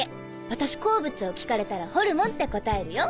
私好物を聞かれたらホルモンって答えるよ。